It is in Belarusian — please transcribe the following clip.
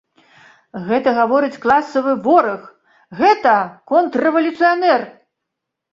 Гэта гаворыць класавы вораг, гэта контррэвалюцыянер!